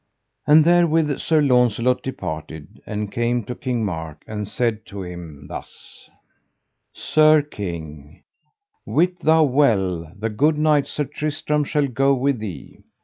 And therewith Sir Launcelot departed, and came to King Mark, and said to him thus: Sir king, wit thou well the good knight Sir Tristram shall go with thee.